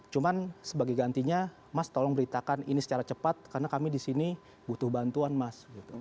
cuman sebagai gantinya mas tolong beritakan ini secara cepat karena kami di sini butuh bantuan mas